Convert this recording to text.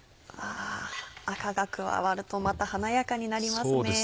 赤が加わるとまた華やかになりますね。